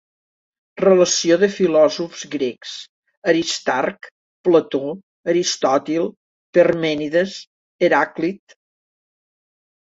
Relació de filòsofs grecs: Aristarc, Plató, Aristòtil, Parmènides, Heràclit